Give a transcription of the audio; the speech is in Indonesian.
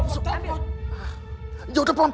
pelan pelan apa makanya cepet aja